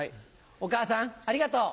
お母さんありがとう。